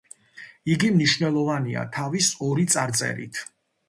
იგი მნიშვნელოვანია თავის ორი წარწერით.